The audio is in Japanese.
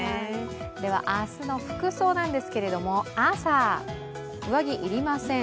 明日の服装なんですが、朝、上着、要りません。